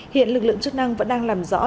hiện lực lượng chức năng vẫn đang làm rõ